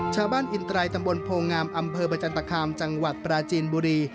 ชาวบ้านอินไตรตำบลโพงามอำเภอประจันตคามจังหวัดปราจีนบุรี